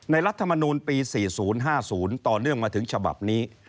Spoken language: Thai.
รัฐมนูลปี๔๐๕๐ต่อเนื่องมาถึงฉบับนี้